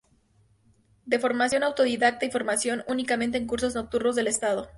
De formación autodidacta y formación únicamente en cursos nocturnos del estado.